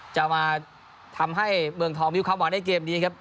จะมาทำให้เมืองทองมีความหวังในเกมนี้ครับ